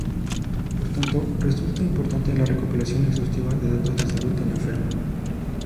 Por tanto resulta importante la recopilación exhaustiva de datos de salud del enfermo.